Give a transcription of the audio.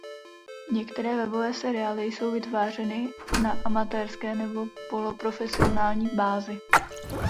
Některé webové seriály jsou vytvářeny na amatérské nebo poloprofesionální bázi.